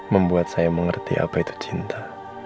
membuat saya mengerti apa itu cinta